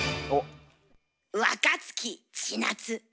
若槻千夏。